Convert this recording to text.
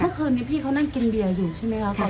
เมื่อคืนนี้พี่เขานั่งกินเบียร์อยู่ใช่ไหมคะ